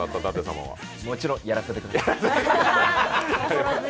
もちろん、やらせてください